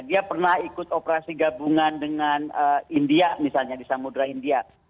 dia pernah ikut operasi gabungan dengan india misalnya di samudera india